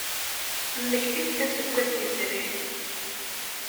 Mmektit-d aseggas yezrin.